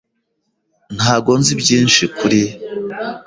Ntabwo nzi byinshi kuri .